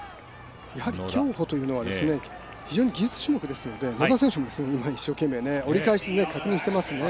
やはり競歩というのは非常に技術種目ですので野田選手も今、一生懸命に折り返し確認してますね。